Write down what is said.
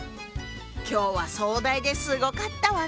今日は壮大ですごかったわね。